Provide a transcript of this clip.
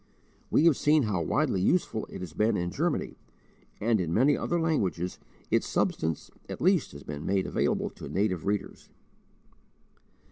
We have seen how widely useful it has been in Germany; and in many other languages its substance at least has been made available to native readers.